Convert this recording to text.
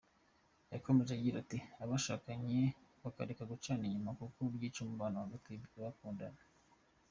Yakomeje agira ati “ Abashakanye bakareka gucana inyuma kuko byica umubano hagati y’abakundana.